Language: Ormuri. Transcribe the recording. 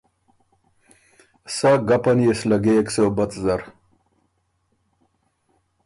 سَۀ ګپن يې سو لګېک صوبت زر۔